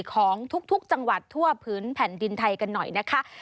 ของทุกจังหวัดทั่วพื้นแผ่นดินไทยกันหน่อยนะคะ